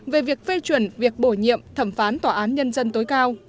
về việc phê chuẩn việc bổ nhiệm thẩm phán tòa án nhân dân tối cao